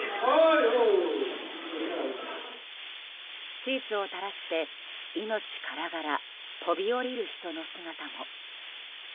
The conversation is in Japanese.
シーツを垂らして命からがら飛び降りる人の姿も。